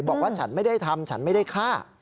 บอกว่าฉันไม่ได้ทำฉันไม่ได้ฆ่า